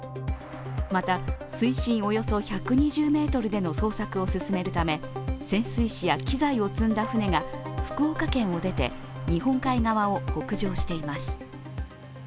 また、水深およそ１２０ｍでの捜索を勧めるため潜水士や機材を積んだ船が福岡県を出て日本海側を北上しています。